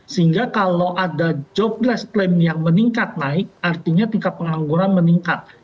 sehingga kalau ada jobless plan yang meningkat naik artinya tingkat pengangguran meningkat